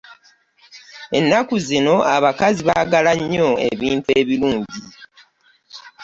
Ennaku zino abakazi baagala nnyo ebintu ebirungi.